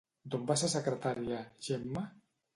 D'on va ser secretària Gemma?